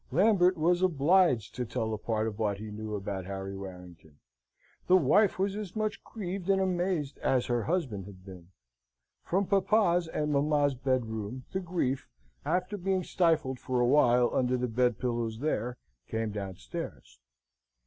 Lambert was obliged to tell a part of what he knew about Harry Warrington. The wife was as much grieved and amazed as her husband had been. From papa's and mamma's bedroom the grief, after being stifled for a while under the bed pillows there, came downstairs.